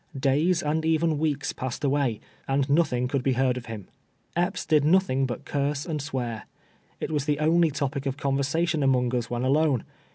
Days and even weeks passed away, and nothing could be lieard of liim. Epps did nothing but curse and s\vear. It was the only topic of conyersation among us when alone.